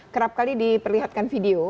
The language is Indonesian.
kerap kali diperlihatkan video